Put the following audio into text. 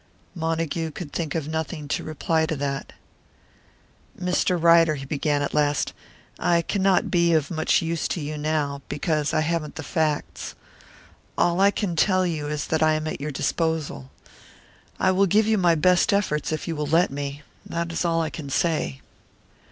Montague could think of nothing to reply to that. "Mr. Ryder," he began at last, "I cannot be of much use to you now, because I haven't the facts. All I can tell you is that I am at your disposal. I will give you my best efforts, if you will let me. That is all I can say."